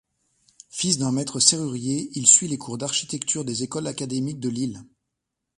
Fils d'un maître serrurier, il suit les cours d'architecture des écoles académiques de Lille.